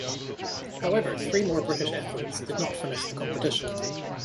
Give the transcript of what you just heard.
However, three more British athletes did not finish the competition.